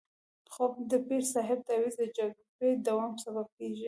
خو د پیر صاحب تعویض د جګړې دوام سبب کېږي.